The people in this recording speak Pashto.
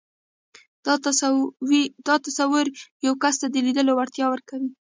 دا تصور يو کس ته د ليدلو وړتيا ورکوي.